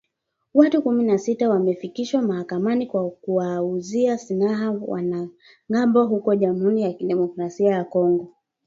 Watu kumi na sita wamefikishwa mahakamani kwa kuwauzia silaha wanamgambo huko Jamhuri ya Kidemokrasia ya Kongo